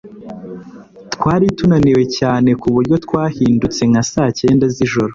Twari tunaniwe cyane kuburyo twahindutse nka saa cyenda z'ijoro.